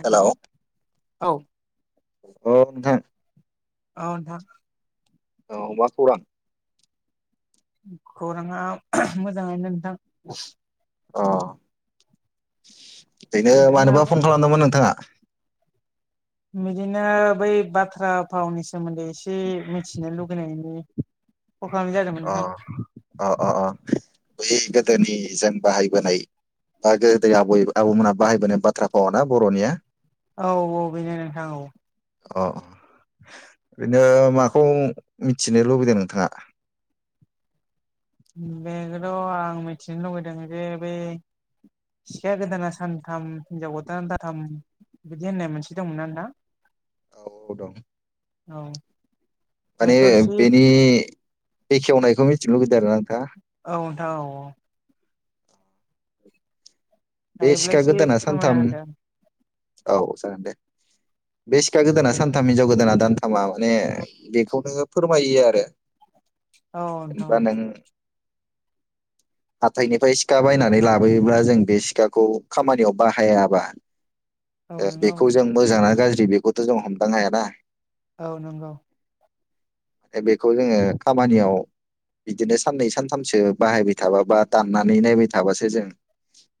Hello औ अ नोंथां औ नोंथां औ मा खौरां खौराङा मोजाङानो नोंथां अ बेनो मानोबा नोंथांनाबो फन खालामदोंमोन नोंथाङा बिदिनो बै बाथ्रा फावनि सोमोन्दै एसे मिथिनो लुगैनायनि कल खालामनाय जादोंमोन अ नोंथां अ अ बै गोदोनिजों बाहायबोनाय बा गोदो आबै आबौमोनहा बाहायबोनाय बाथ्रा फावाना बर'निया औ औ बेनो नोंथां औ अ बिदिनो माखौ मिथिनो लुबैदों नोंथाङा? बेखोथ' आं मिथिनो लुबैदों जे बै सिखा गोदाना सानथाम हिनजाव गोदाना दाथाम बिदि होननाय मोनसे दंमोन ना नोंथां औ औ दं। औ। माने बेखौ एसे बेनि बेखेवनायखौ मिथिनो लुुबैदों आरो ना नोंथाङा? औ नोंथां औ औ। बे हायोब्ला सिखा एसे गोदाना फोरमायना सानथाम औ जागोन दे। बे सिखा गोदाना सानथाम हिनजाव गोदाना दानथामा माने बेखौनो फोरमायो आरो होदो औ नोंथां जेनबा औ नों हाथायनिफाय सिखा बायनानै लाबोयोब्ला जों बे सिखा सिखाखौ खामानियाव बाहायाबा औ ओ नंगौ बेखौ जों मोजां ना गाज्रि बेखौथ' जों हमदां हायाना। औ नंगौ। ओ बेखौ जोङो खामानियाव बिदिनो साननै सानथामसो बाहायबाय थाबा बा दाननानै नायबाय थाबासो जों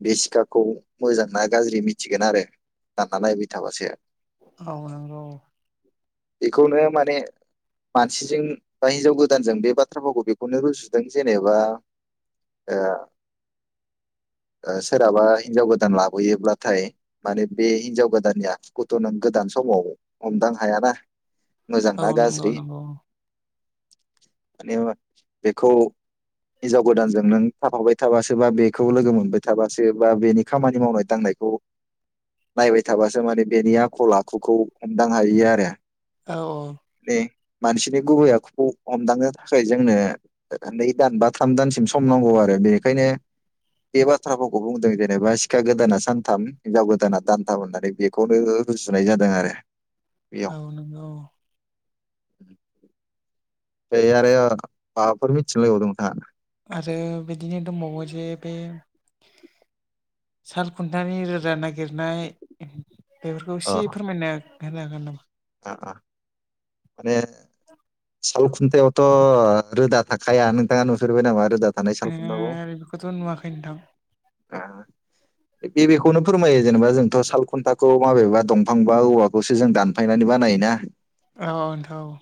बे सिखाखौ मोजां ना गाज्रि मिथिगोन आरो दानना नायबाय थाबासो। औ नंगौ बेखौनो माने मानसिजों बा हिनजाव गोदानजों बे बाथ्रा फावखौ बेखौनो रुजुदों जेनेबा। ओ ओ सोरहाबा हिनजाव गोदान लाबोयोब्लाथाय माने बे हिनजाव गोदाननि आखुखौथ नों गोदान समाव हमदां हायाना। मोजां औ ना नंगौ गाज्रि नंगौ। माने मा बेखौ हिन्जाव गोदानजों नों थाफाबाय थाबासोबा बेखौ लोगो मोनबाय थाबासो बा बेनि खामानि मावनाय दांनायखौ नायबाय थाबासो माने बेनि आखल आखुखौ हमदां हायो आरो। औ औ बे मानसिनि गुबै आखुखौ हमदांनो थाखाय जोंनो नै दान बा थाम दानसिम सम नांगौ आरो बेनिखायनो बे बाथ्रा बाथ्रा फावखौ बुंदों जेनेबा सिखा गोदाना सानथाम हिनजाव गोदाना दानथाम होननानै बेखौनो रुजुनाय जादों आरो। बेयाव औ नोंगौ। [inaudible] बे आरो माबाफोर मिथिनो लुबैबावदों नोंथाङा? आरो बिदिनो दंबावो जे बे साल खुन्थानि रोजा नागिरनाय बेफोरखौ एसे फोरमायना होनो हागोन नामा? ओ ओ माने साल खुन्थायावथ' रोदा थाखाया नोंथाङा नुफेरबाय नामा रोदाखौ? ओ बेफोखौथ' नुवाखै नोंथां। बे बेखौनो फोरमायो जेनेबा जोंथ' साल खुन्थाखौ माबेबा दंफां बा औवा खौसो जों दानफायनानै बानायोना। औ नोंथां औ।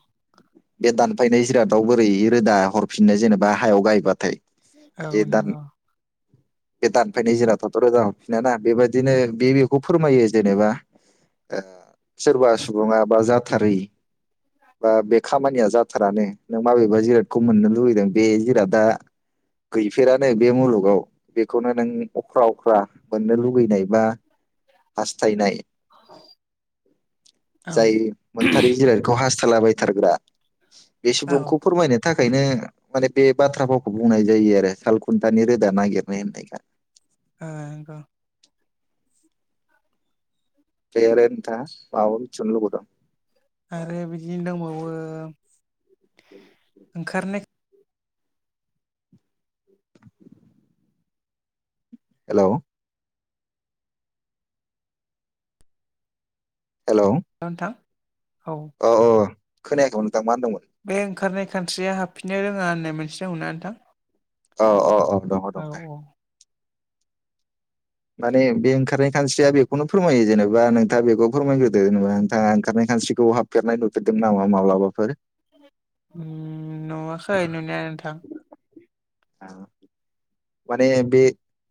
बे दानफायनाय जिरादाव बोरै रोदा हरफिननो जेनेबा हायाव गायबाथाय। औ बे दान नोंगौ। बे दानफायनाय जिरादाथ' रोदा हरफिनाना बेबायदिनो बे बेखौ फोरमायो जेनेबा ओ सोरबा सुबुङा बा जाथारै बा बे खामानिया जाथारानो नों माबेबा जिरादखौ मोननो लुुबैदों बे जिरादा गैफेरानो बे मुलुगाव बेखौनो नों अख्रा-अख्रा मोननो लुगैनाय बा हास्थायनाय औ जाय मोनथारै जिरायखौ हास्थाय लाबायथारग्रा बे औ सुबुंखौ फोरमायनो थाखायनो माने बे बाथ्रा फावखौ बुंनाय जायो आरो सालखुन्थानि रोदा नागिरनाय होननाया। ओ नंगौ बे आरो नोंथाङा माबाफोर मिथिनो लुबैबावदों? आरो बिदिनो दंबावो ओंखारनाय हेल' हेल' नोंथां औ अ अ खोनायाखैमोन नोंथां मा होनदोंमोन? बे ओंखारनाय खानस्रिया हाबफिननो रोङा होननाय मोनसे दंना नोंथां? औ औ औ दङ दं दे। माने बे ओंखारनाय खानस्रिया बेखौनो फोरमायो जेनेबा नोंथाङा बेखौ फोरमायग्रोदो जेनेबा नोंथाङा ओंखारनाय खानस्रिखौ हाब नामा माब्लाबाफोर? उम नुवाखै नुनाया नोंथां। औ माने बे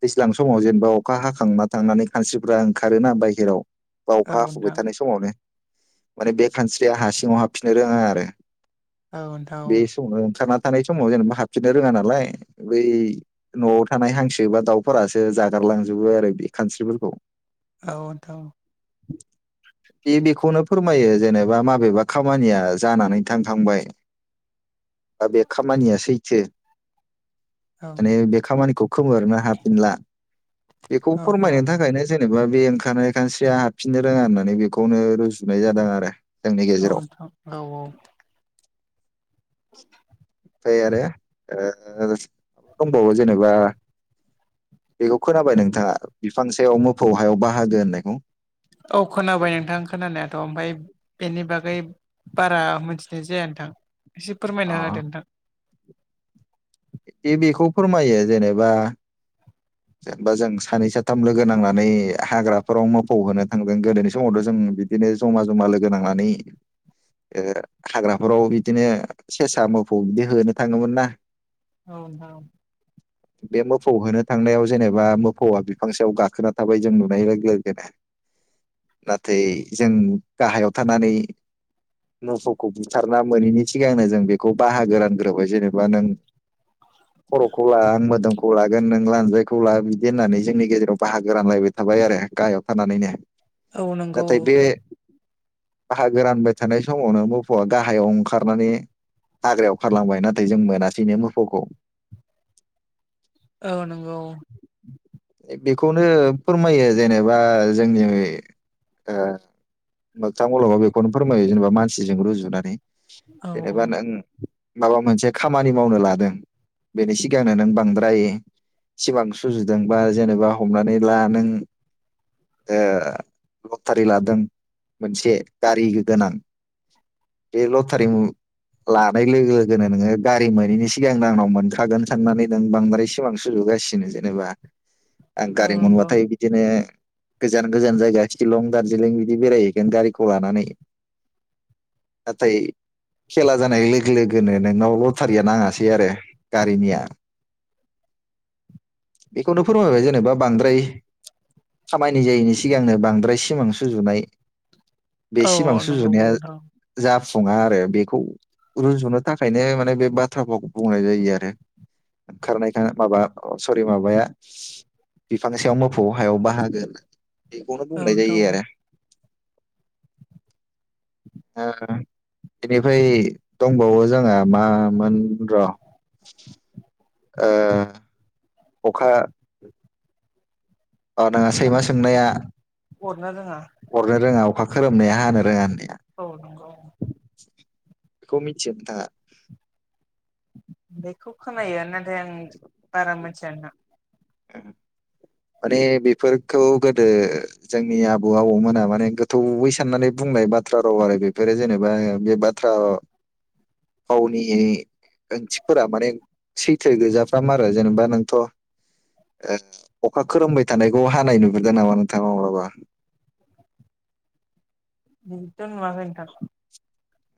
दैज्लां समाव जेनेबा अखा हाखांना थांनानै खानस्रिफ्रा ओंखारोना बाहेराव बा औ अखा हाफुबाय नोंथां थानाय समाव हाय माने बे खानस्रिया हा सिङाव हाबफिननो रोङा आरो ‌। औ नोंथां औ। ओंखारना थानाय समाव जेनेबा हाबफिननो रोङा नालाय बै न'आव थानाय हांसो बा दाउफोरासो जागारलांजोबो आरो बे खानस्रिफोरखौ। औ नोंथां औ। बे बेखौनो फोरमायो जेनेबा माबेबा खामानिया जानानै थांखांबाय बा बे खामानिया सैथो औ माने बे खामानिखौ खोमोरनो हाफिनला बेखौ औ औ फोरमायनो थाखायनो जेनेबा बे ओंखारनाय खानस्रिया हाबफिननो रोङा होननानै बेखौनो रुजुनाय जादों आरो। जोंनि औ गेजेराव नोंथां औ औ [inaudible] ओमफ्राय आरो माबा लोगोसे दंबावो जेनेबा बेखौ खोनाबाय नोंथाङा बिफां सायाव मोफौ हायाव बाहागो होननायखौ? औ खोनाबाय नोंथां खोनानायाथ' ओमफ्राय बेनि बागै बारा मोनथिनाय जाया नोंथां एसे अ फोरमायना होदों नोंथां। बे बेखौ फोरमायो जेनेबा जेनबा जों सानै साथाम लोगो नांनानै हाग्राफोराव मोफौ होनो थांदों गोदोनि समावथ' जों बिदि बिदिनो जमा जमा लोगो नांनानै ओ हाग्राफोराव बिदिनो सेसा मोफौ बिदि होनो थाङोमोन ना। औ औ बे मोफौ होनो थांनायाव जेनेबा मोफौआ बिफांसायाव गाखोना थाबाय जों नुनाय लोगो लोगोनो। नाथाय जों गाहायाव थानानै मोफौखौ बुथारना मोनिनि सिगांनो जों बेखौ बाहागो रानग्रोबाय जेनेबा नों खर'खौ लागोन मोदोमखौ लागोन नों लानजायखौ बिदि होननानै जोंनि गेजेराव बाहागो रानलायबाय थाबाय आरो गाहायाव थानानैनो। औ नंगौ नाथाय बे बाहागो रानबाय थानाय समावनो मोफौआ गाहायाव ओंखारनानै हाग्रायाव खारलांबाय नाथाय जों मोनासैनो मोफौखौ। औ नंगौ औ। बेखौनो फोरमायो जेनेबा जोंनि ओ मोगथां मुलुगाव बेखौनो फोरमायो जेनेबा मानसिजों रुजुनानै औ जेनेबा नों औ माबा मोनसे खामानि मावनो लादों बेनि सिगांनो नों बांद्राय सिमां सुजुदों बा जेनेबा हमनानै ला नों ओ लटारि लादों मोनसे गारि गोनां बे लथारि लानाय लोगो लोगोनो नोङो गारि मोनैनि सिगांनो आंनाव मोनखागोन साननानै नों बांद्राय सिमां सुजुगासिनो जेनेबा आं औ गारि नंगौ मोनबाथाय बिदिनो गोजान गोजान जायगा शिलं दार्जिलिं बिदि बेरायहैगोन गारिखौ लानानै नाथाय खेला जानाय लोगो लोगोनो नोंनाव लटारिया नाङासै आरो गारिनिया बेखौनो फोरमायबाय जेनेबा बांद्राय खामानाय जायिनि सिगांनो बांद्राय सिमां सुजुनाय बे औ सिमां औ नंगौ सुजुनाया नोंथां जाफुङा आरो बेखौ रुजुनो थाखायनो माने बे बाथ्रा फावखौ बुंनाय जायो आरो। ओंखारनाय माबा सरि माबाया बिफां सायाव मोफौ हायाव बाहागो होनना बेखौनो औ बुंनाय नोंथां जायो औ आरो। [inaudible] ओ बेनिफ्राय दंबावो जोंहा मामोन र' ओ अखा अ नोङा सैमा सोंनाया अरनो रोङा अरनो रोङा अखा खोरोमनाया हानो रोङा होननाया औ नंगौ नोंथां बेखौ मिथियो नोंथाङा? बेखौ खोनायो नाथाय आं बारा मिथिया नोंथां। ओ माने बेफोरखौ गोदो जोंनि आबौ आबौमोना माने गोथौयै साननानै बुंनाय बाथ्रा राव आरो बेफोरो जेनेबा बे बाथ्रा [inaudible] फावनि ओंथिफोरा माने सैथो गोजाफ्राम आरो जेनेबा नोंथ' ओ अखा खोरोमबाय थानायखौ हानाय नुफेरदों नामा नोंथाङा माब्लाबा? बिदिथ' नुवाखै नोंथां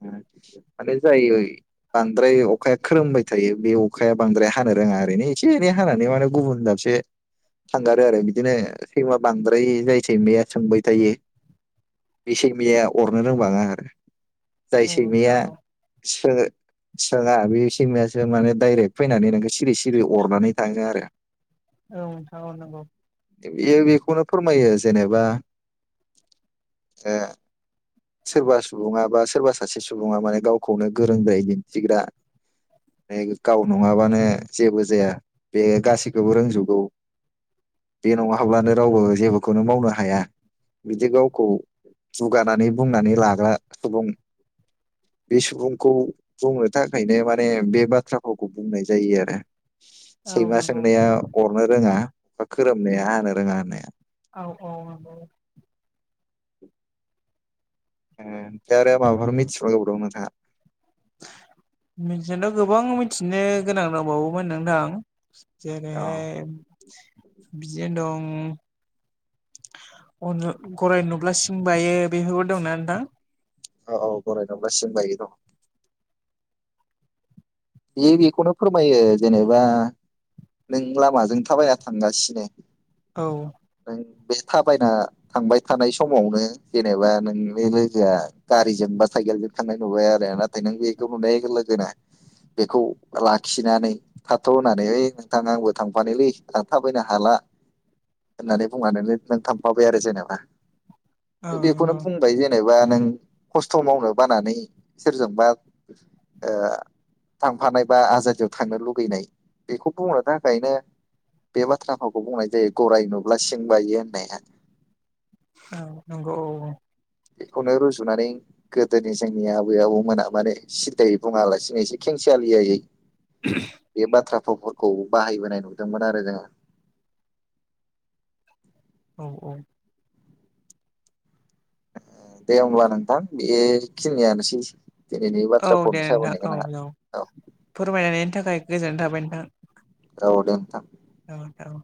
माने जायै बांद्राय अखाया खोरोमबाय थायो बे अखाया बांद्राय हानो रोङा ओरैनो एसे एनै हानानै माने गुबुन दाब से थांगारो आरो बिदिनो सैमा बांद्राय जाय सैमाया सोंबाय थायो बे सैमाया अरनो रोंबाङा आरो जाय नोंथां सैमाया औ सो सोङा बे सैमायासो माने डाइरेक्ट फैनानै नोखो सिरि सिरि अरनानै थाङो आरो। औ नोंथां औ नंगौ इयो बेखौनो फोरमायो जेनेबा ओ सोरबा सुबुङा बा सोरबा सासे सुबुङा माने गावखौनो गोरोंद्राय दिन्थिग्रा माने गाव नङाबानो जेबो जाया बे गासैखौबो रोंजोबगौ बे नङाब्लानो रावबो जेबोखौनो मावनो हाया बिदि गावखौ दुगानानै बुंनानै लाग्रा सुबुं बे सुबुंखौ बुंनो थाखायनो माने बे बाथ्रा फावखौ बुंनाय जायो आरो। औ सैमा नंगौ सोंनाया अरनो रोङा बा खोरोमनाया हानो रोङा होननाया औ औ औ नंगौ ओमफ्राय आरो माबाफोर मिथिबावनो [unintelligible] दं नोंथाङा मिथिनो गोबां मिथिनो गोनां दंबावोमोन नोंथां। जेरैहाय बिदिनो दं गराय नुब्ला सिं बायो बेफोरबो दंना नोंथां? अ औ गराइ नुब्ला सिं बायो दं। बियो बेखौनो फोरमायो जेनेबा नों लामाजों थाबायना थांगासिनो औ। बे थाबायना थांबाय थानाय समावनो जेनेबा नोंनि बे लोगोआ गारिजों बा साइकेलजों थांनाय नुबाय आरो ना ओमफाय नों बेखौ नुनाय लोगो लोगो नो बेखौ लाखिनानै ओइ थाथ' होननानै ओइ नोंथां आंबो थांफानोलै आं थाबायनो हाला होननानै बुनानै नों थांफाबाय आरो जेनेबा औ बेखौनो नंगौ बुंनो ओमफाय जेनेबा नों खस्थ' मावनो बानानै सोरजोंबा ओ थांफानाय बा आजादियाव थांनो लुगैनाय बेखौ बुंनो थाखायनो। बे बाथ्रा फावखौ बुंनाय जायो गराय नुब्ला सिं बायो होननाया। औ नंगौ औ औ। बेखौनो रुजुनानै गोदोनि जोंनि आबै आबौमोना माने सिदायै बुङालासिनो एसे खेंसालियायैओ [unintelligible] बे बाथ्रा फावफोरखौ बाहायबोनाय नुदोंमोन आरो जोङोओ। औ औ। दे होमब्ला नोंथां बेखिनियानोसै दिनैनि औ बाथ्रा फावनि दे नोंथां सावरायनायखौ आंहा औ औ फोरमायनायनि थाखाय गोजोननाय थाबाय नोंथां। औ दे नोंथां। औ औ।